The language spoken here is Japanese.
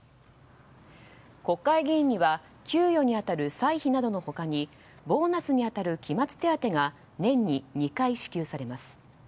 国会議員には給与に当たる歳費などのほかにボーナスに当たる期末手当が年に２回支給されます。